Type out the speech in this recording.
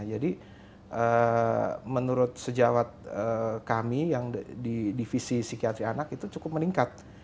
jadi menurut sejawat kami yang di divisi psikiatri anak itu cukup meningkat